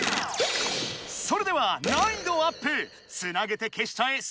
それでは難易度アップ「つなげて消しちゃえ！